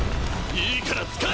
いいから使え！